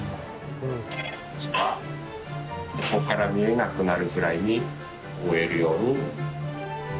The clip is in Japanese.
そうしたらここから見えなくなるくらいに覆えるように。